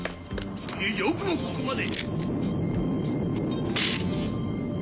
よくもここまで。